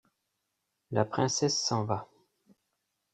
La princesse s’en va.